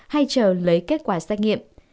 hay chờ lấy kết quả xét nghiệm